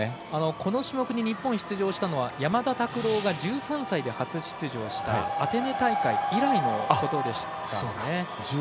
この種目に日本が出場したのは山田拓朗が１３歳で初出場したアテネ大会以来でした。